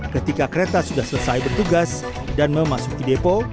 ketika kereta sudah selesai bertugas dan memasuki depo